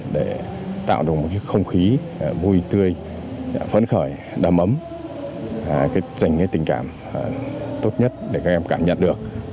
để tạo được một không khí vui tươi phấn khởi đầm ấm dành tình cảm tốt nhất để các em cảm nhận được